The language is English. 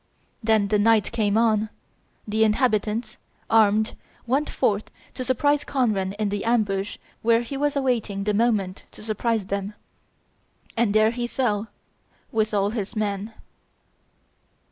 Then, when night came on, the inhabitants, armed, went forth to surprise Conran in the ambush where he was awaiting the moment to surprise them. And there he fell with all his men.